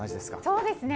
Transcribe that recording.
そうですね。